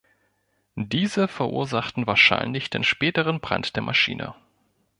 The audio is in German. Diese verursachten wahrscheinlich den späteren Brand der Maschine.